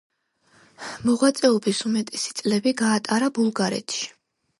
მოღვაწეობის უმეტესი წლები გაატარა ბულგარეთში.